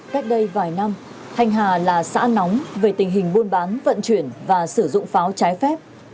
cách đây vài năm thanh hà là xã nóng về tình hình buôn bán vận chuyển và sử dụng pháo trái phép